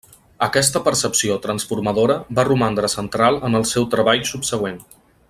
Aquesta percepció transformadora va romandre central en el seu treball subsegüent.